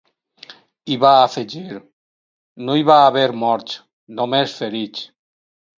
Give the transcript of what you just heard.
I va afegir: No hi va haver morts, només ferits.